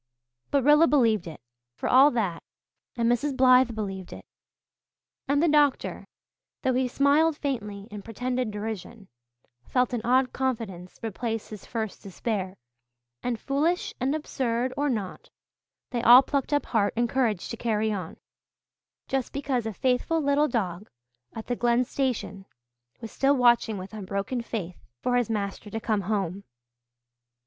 But Rilla believed it, for all that; and Mrs. Blythe believed it; and the doctor, though he smiled faintly in pretended derision, felt an odd confidence replace his first despair; and foolish and absurd or not, they all plucked up heart and courage to carry on, just because a faithful little dog at the Glen station was still watching with unbroken faith for his master to come home.